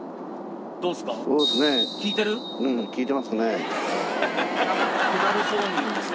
どうですか？